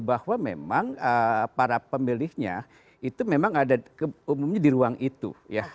bahwa memang para pemilihnya itu memang ada umumnya di ruang itu ya